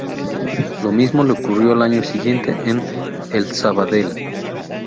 Lo mismo le ocurrió al año siguiente en el Sabadell.